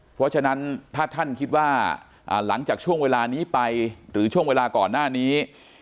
เพราะฉะนั้นถ้าท่านคิดว่าหลังจากช่วงเวลานี้ไปหรือช่วงเวลาก่อนหน้านี้